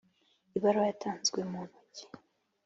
ibaruwa yatanzwe mu ntoki